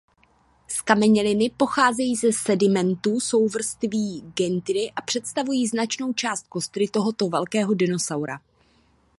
Zkameněliny pocházejí ze sedimentů souvrství Guettioua a představují značnou část kostry tohoto velkého dinosaura.